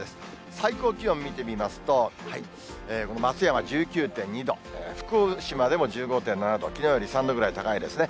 最高気温見てみますと、この松山１９．２度、福島でも１５．７度、きのうより３度ぐらい高いですね。